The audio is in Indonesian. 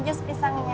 ini jus pisangnya